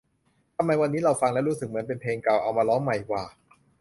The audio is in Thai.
ทำไมวันนี้เราฟังแล้วรู้สึกเหมือนเป็นเพลงเก่าเอามาร้องใหม่หว่า